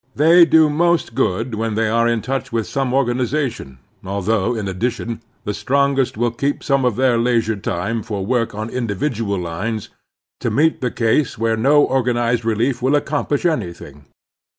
They do most good when they are in touch with some organization, although, in addition, the strongest will keep some of their leisure time for work on individual lines to meet the cases where no organized relief will accom plish anything.